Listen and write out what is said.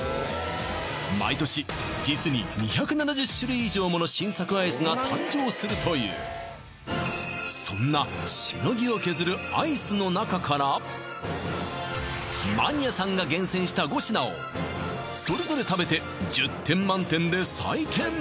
毎年実に２７０種類以上もの新作アイスが誕生するというそんなしのぎを削るアイスの中からをそれぞれ食べて１０点満点で採点